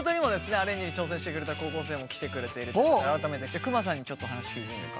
アレンジに挑戦してくれた高校生も来てくれているということで改めてくまさんにちょっと話聞いてみるか。